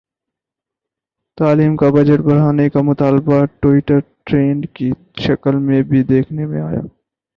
تعلیم کا بجٹ بڑھانے کا مطالبہ ٹوئٹر ٹرینڈز کی شکل میں بھی دیکھنے میں آیا